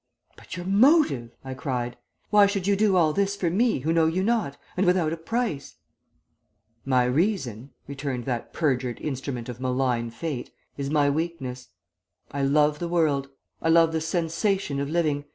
"'But your motive!' I cried. 'Why should you do all this for me who know you not, and without a price?' "'My reason,' returned that perjured instrument of malign fate, 'is my weakness. I love the world. I love the sensation of living.